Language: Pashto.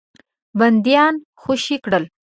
بندیان خوشي کړل.